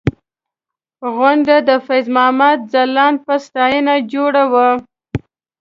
غونډه د فیض محمد ځلاند په ستاینه جوړه وه.